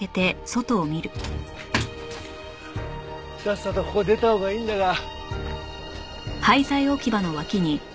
さっさとここを出たほうがいいんだが。